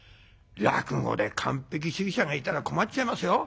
落語で完璧主義者がいたら困っちゃいますよ。